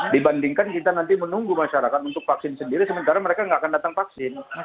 dibandingkan kita nanti menunggu masyarakat untuk vaksin sendiri sementara mereka tidak akan datang vaksin